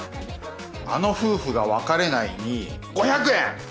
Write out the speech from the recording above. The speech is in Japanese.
あの夫婦が別れないに５００円！